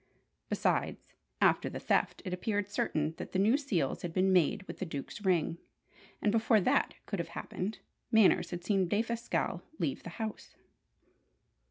Besides, after the theft, it appeared certain that the new seals had been made with the Duke's ring; and before that could have happened, Manners had seen Defasquelle leave the house.